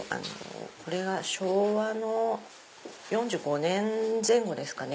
これは昭和の４５年前後ですかね。